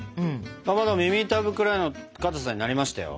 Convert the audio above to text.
かまど耳たぶくらいのかたさになりましたよ。